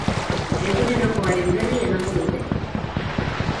Egunerokoaren berri emango dute.